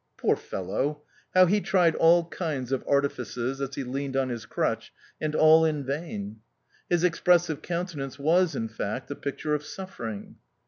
Poor fellow! How he tried all kinds of artifices, as he leaned on his crutch, and all in vain! His expressive countenance was, in fact, a picture of suffering.